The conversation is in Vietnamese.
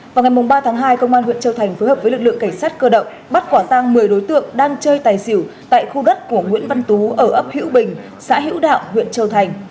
vào ngày ba tháng hai công an huyện châu thành phối hợp với lực lượng cảnh sát cơ động bắt quả tang một mươi đối tượng đang chơi tài xỉu tại khu đất của nguyễn văn tú ở ấp hữu bình xã hữu đạo huyện châu thành